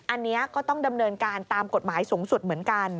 อันนี้ก็ต้องดำเนินการตามกฎหมายสูงสุดเหมือนกัน